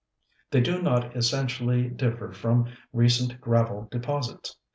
They do not essentially differ from recent gravel deposits.